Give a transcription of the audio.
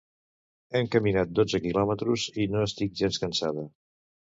Hem caminat dotze quilòmetres i no estic gens cansada